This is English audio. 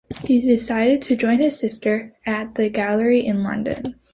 He decided to join his sister at the gallery in London.